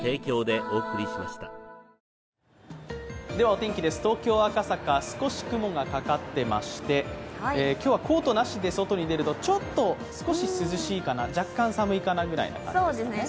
お天気です、東京・赤坂、少し雲がかかっていまして、今日はコートなしで外に出るとちょっと、少し涼しいかな、若干寒いかなくらいの感じですかね。